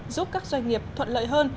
giúp các doanh nghiệp thuận lợi hơn